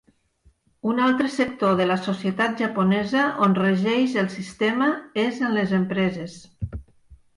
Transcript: Un altre sector de la societat japonesa on regeix el sistema és en les empreses.